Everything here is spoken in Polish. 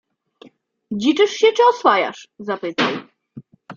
Dziczysz się czy oswajasz? — zapytał.